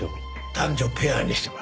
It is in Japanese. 男女ペアにしてもらったの。